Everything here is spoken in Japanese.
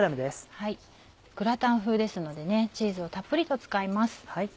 グラタン風ですのでチーズをたっぷりと使います。